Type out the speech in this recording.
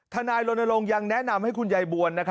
ทนายโรนโลงยังแนะนำให้คุณยายบวน